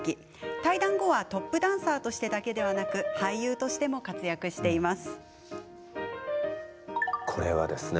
退団後はトップダンサーとしてだけでなく俳優としても活躍しています。